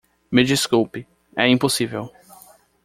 Me desculpe, é impossível.